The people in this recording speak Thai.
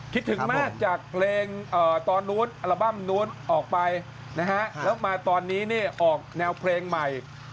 คิดถึงมากจากเพลงตอนนู้นอัลบั้มนู้นออกไปนะฮะแล้วมาตอนนี้เนี่ยออกแนวเพลงใหม่